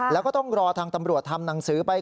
แล้วก็ต้องรอทางตำรวจทำหนังสือไป